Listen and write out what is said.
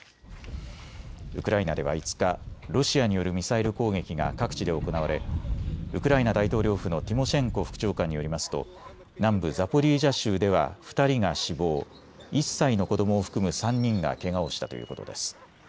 ウクライナでは５日、ロシアによるミサイル攻撃が各地で行われウクライナ大統領府のティモシェンコ副長官によりますと南部ザポリージャ州では２人が死亡、１歳の子どもを含む３人がけがをしたということです。